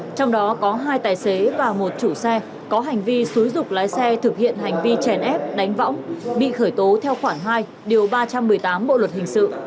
trong đó có hai tài xế và một chủ xe có hành vi xúi dục lái xe thực hiện hành vi chèn ép đánh võng bị khởi tố theo khoảng hai điều ba trăm một mươi tám bộ luật hình sự